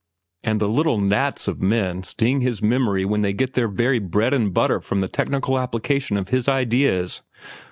And the little gnats of men sting his memory when they get their very bread and butter from the technical application of his ideas.